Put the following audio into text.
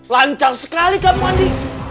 lancang sekali kamu andi